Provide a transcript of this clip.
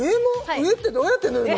上ってどうやって塗るの？